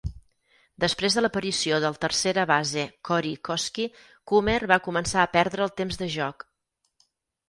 Després de l'aparició del tercera base Corey Koskie, Coomer va començar a perdre el temps de joc.